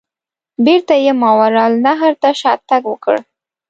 بیرته یې ماوراء النهر ته شاته تګ وکړ.